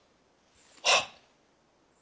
はっ。